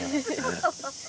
ハハハッ。